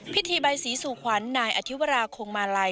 พิธีใบสีสู่ขวัญนายอธิวราคงมาลัย